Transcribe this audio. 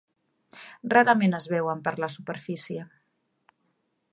Rarament es veuen per la superfície.